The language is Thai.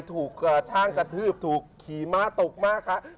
ถูกช่างกระทืบถูกขี่ม้าตกม้าค่ะ